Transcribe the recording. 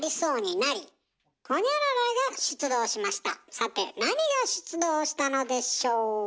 さて何が出動したのでしょう？